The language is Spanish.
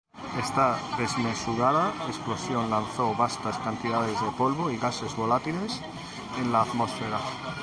Esta desmesurada explosión lanzó vastas cantidades de polvo y gases volátiles en la atmósfera.